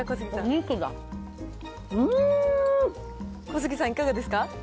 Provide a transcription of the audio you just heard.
小杉さん、いかがですか。